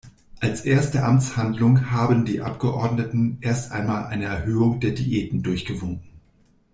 Als erste Amtshandlung haben die Abgeordneten erst mal eine Erhöhung der Diäten durchgewunken.